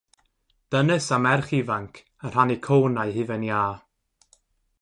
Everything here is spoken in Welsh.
Dynes a merch ifanc yn rhannu conau hufen iâ.